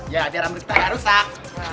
ya biar rambut kita ya rusak